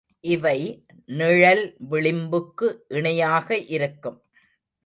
இவை நிழல் விளிம்புக்கு இணையாக இருக்கும்.